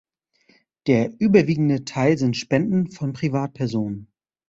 Der überwiegende Teil sind Spenden von Privatpersonen.